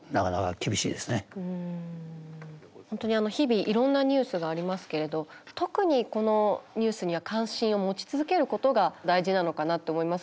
本当に日々いろんなニュースがありますけれど特にこのニュースには関心を持ち続けることが大事なのかなって思いますけど。